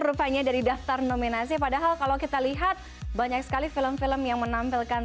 rupanya dari daftar nominasi padahal kalau kita lihat banyak sekali film film yang menampilkan